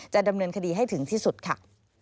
ดำเนินคดีให้ถึงที่สุดค่ะ